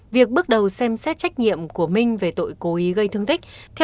việc bước đầu xem xét trách nhiệm của minh về tội cố ý gây thương tích